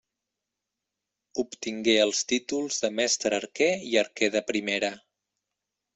Obtingué els títols de mestre arquer i arquer de primera.